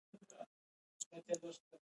افغانستان کې وادي د هنر په اثار کې منعکس کېږي.